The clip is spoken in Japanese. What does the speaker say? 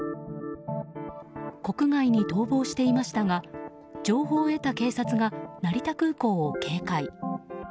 国外に逃亡していましたが情報を得た警察が成田空港を警戒。